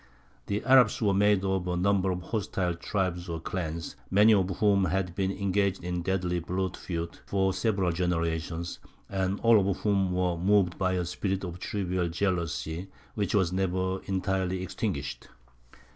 The Arabs were made up of a number of hostile tribes or clans, many of whom had been engaged in deadly blood feuds for several generations, and all of whom were moved by a spirit of tribal jealousy which was never entirely extinguished.